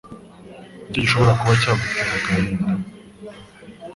Niki gishobora kuba cyagutera agahinda?